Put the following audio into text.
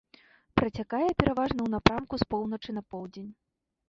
Працякае пераважна ў напрамку з поўначы на поўдзень.